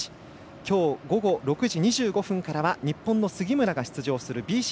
きょう午後６時２５分からは日本の杉村が出場するＢＣ